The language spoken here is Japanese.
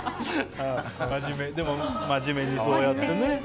真面目にそうやってね。